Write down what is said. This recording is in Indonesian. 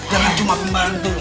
jangan cuma pembantu nih